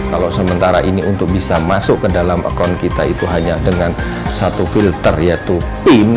kalau sementara ini untuk bisa masuk ke dalam akun kita itu hanya dengan satu filter yaitu pin